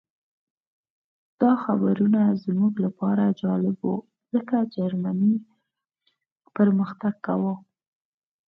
دا خبرونه زموږ لپاره جالب وو ځکه جرمني پرمختګ کاوه